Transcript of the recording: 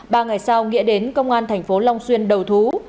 ba ngày sau nghĩa đến công an thành phố long xuyên đầu thú